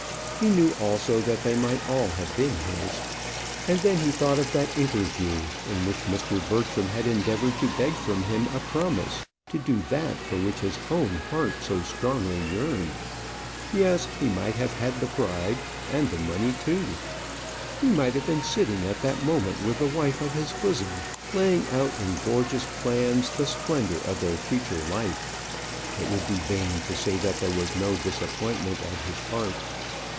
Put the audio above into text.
He knew also that they might all have been his: and then he thought of that interview in which Mr. Bertram had endeavoured to beg from him a promise to do that for which his own heart so strongly yearned. Yes; he might have had the bride, and the money too. He might have been sitting at that moment with the wife of his bosom, laying out in gorgeous plans the splendour of their future life. It would be vain to say that there was no disappointment at his heart.